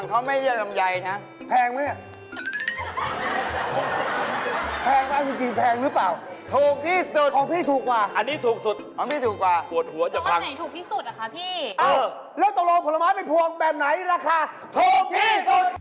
เอาแล้วตัวโรงผัวอะไปทวงภวงแบบไหนราคาถูกที่สุด